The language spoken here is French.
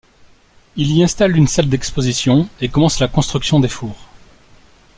Il y installe une salle d'exposition et commence la construction des fours.